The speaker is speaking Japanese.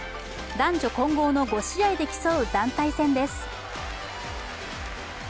男女混合の５試合で競う団体戦です。